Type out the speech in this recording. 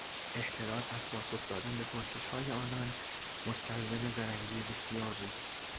احتراز از پاسخ دادن به پرسشهای آنان مستلزم زرنگی بسیار بود.